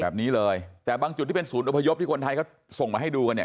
แบบนี้เลยแต่บางจุดที่เป็นศูนย์อพยพที่คนไทยเขาส่งมาให้ดูกันเนี่ย